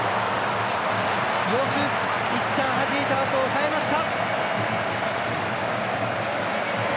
いったんはじいたあとおさえました。